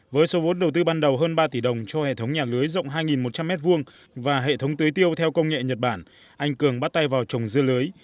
với số vốn đầu tư ban đầu hơn ba tỷ đồng cho hệ thống nhà lưới rộng hai một trăm linh m hai và hệ thống tưới tiêu theo công nghệ nhật bản anh cường bắt tay vào trồng dưa lưới